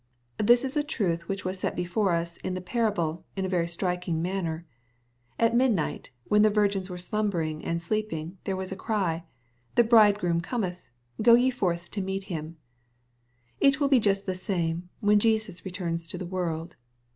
This is a truth which is set before us in the parable, in a very striking manner. At midnight, when the virgins were slumbering and sleeping, there was a cry, " The bridegroom cometh, go ye forth to meet Him." It will be just the same, when Jesus returns to the world.